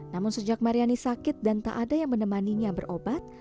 namun sejak mariani sakit dan tak ada yang menemaninya berobat